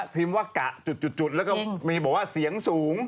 พิมพ์ว่ากะจุดแล้วก็มีบอกว่าเสียงสูง